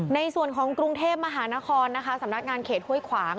ในส่วนของกรุงเทพมหานครนะคะสำนักงานเขตห้วยขวาง